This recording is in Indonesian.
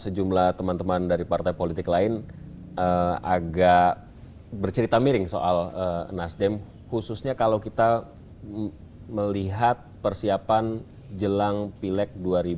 sejumlah teman teman dari partai politik lain agak bercerita miring soal nasdem khususnya kalau kita melihat persiapan jelang pileg dua ribu sembilan belas